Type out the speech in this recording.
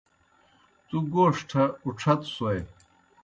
تُوْ گوݜٹھہ اُڇھتوْسوئے۔